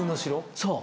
そう。